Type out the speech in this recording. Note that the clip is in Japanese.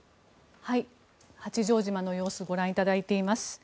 八丈島の様子ご覧いただいています。